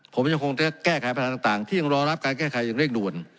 ผมยังคงจะแก้ไขปัญหาต่างที่ยังรอรับการแก้ไขอย่างเร่งด่วน